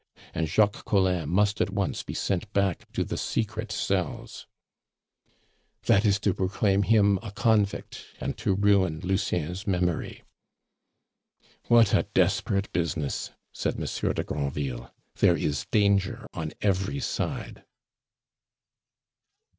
and Jacques Collin must at once be sent back to the secret cells." "That is to proclaim him a convict and to ruin Lucien's memory!" "What a desperate business!" said Monsieur de Granville. "There is danger on every side."